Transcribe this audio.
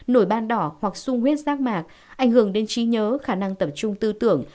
nổi ban đỏ hoặc sung huyết rác mạc ảnh hưởng đến trí nhớ khả năng tập trung tư tưởng